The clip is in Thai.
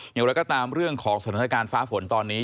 อย่างไรก็ตามเรื่องของสถานการณ์ฟ้าฝนตอนนี้